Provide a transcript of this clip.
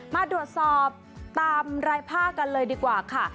มาตรวจสอบตามรายภาคกันเลยดีกว่าค่ะ